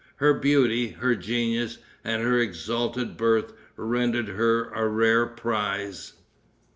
Her beauty, her genius and her exalted birth rendered her a rare prize.